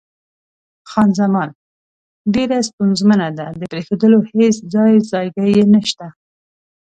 خان زمان: ډېره ستونزمنه ده، د پرېښودلو هېڅ ځای ځایګی یې نشته.